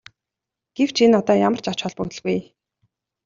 Гэвч энэ одоо ямар ч ач холбогдолгүй.